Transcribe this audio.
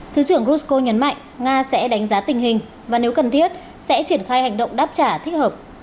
thứ trưởng grusko nhấn mạnh nga sẽ đánh giá tình hình và nếu cần thiết sẽ triển khai hành động đáp trả thích hợp